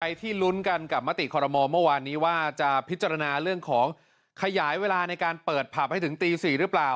ที่ลุ้นกันกับมติคอรมอลเมื่อวานนี้ว่าจะพิจารณาเรื่องของขยายเวลาในการเปิดผับให้ถึงตี๔หรือเปล่า